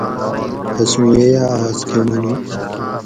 اسون ییہ آس کہ منو